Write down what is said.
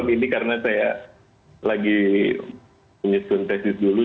ini karena saya lagi menyusun tesis dulu